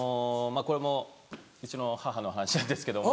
これもうちの母の話なんですけども。